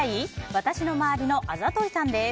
私の周りのあざといさんです。